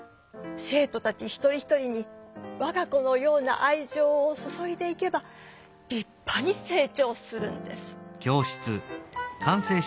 生とたち一人一人にわが子のようなあいじょうをそそいでいけばりっぱに成長するんです。